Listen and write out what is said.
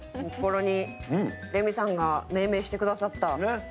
レミさんが命名してくださった。